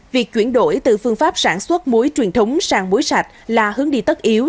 việc chuyển đổi từ phương pháp sản xuất muối truyền thống sang muối sạch là hướng đi tất yếu